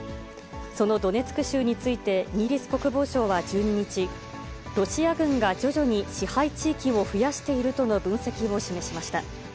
そのドネツク州についてイギリス国防省は１２日、ロシア軍が徐々に支配地域を増やしているとの分析を示しました。